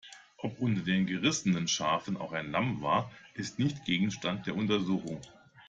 Ob unter den gerissenen Schafen auch ein Lamm war, ist nicht Gegenstand der Untersuchungen.